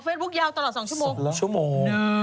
อ๋อเฟซบุ๊กยาวตลอด๒ชั่วโมง๒ชั่วโมง